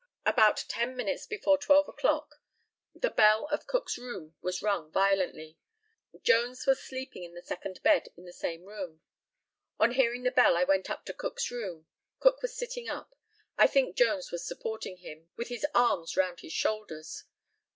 About ten minutes before twelve o'clock the bell of Cook's room was rung violently. Jones was sleeping in a second bed in the same room. On hearing the bell I went up to Cook's room. Cook was sitting up. I think Jones was supporting him, with his arms round his shoulders.